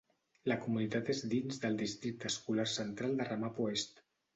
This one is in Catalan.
La comunitat és dins del districte escolar central de Ramapo Est.